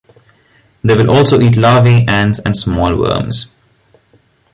They will also eat larvae, ants, and small worms.